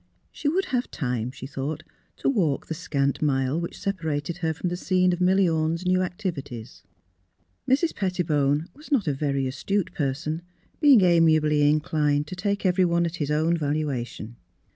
She would have time, she thought, to walk the scant mile which separated her from the scene of Milly; Orne's new activities. Mrs. Pettibone was not a very astute person, being amiably inclined to take everyone at his own valuation.